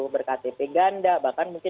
berktp ganda bahkan mungkin